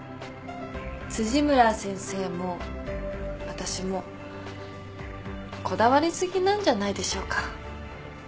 辻村先生も私もこだわり過ぎなんじゃないでしょうか。